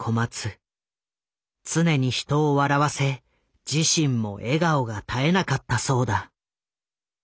常に人を笑わせ自身も笑顔が絶えなかったそうだ。